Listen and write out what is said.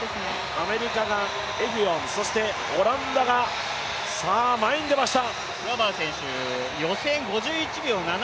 アメリカが、エフィオンそしてオランダが前に出ました。